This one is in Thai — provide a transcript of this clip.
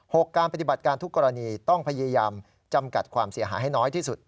การปฏิบัติการทุกกรณีต้องพยายามจำกัดความเสียหายให้น้อยที่สุด